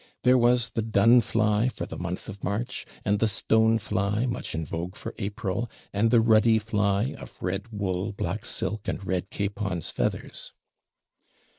There was the DUN FLY, for the month of March; and the STONE FLY, much in vogue for April; and the RUDDY FLY, of red wool, black silk, and red capon's feathers.